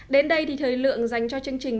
đến đây thì thời lượng dành cho chương trình